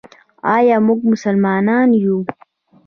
آیا موږ مسلمانان یو؟